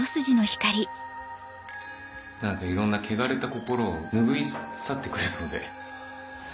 何かいろんな汚れた心を拭い去ってくれそうで。